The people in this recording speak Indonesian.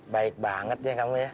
baik banget ya kamu ya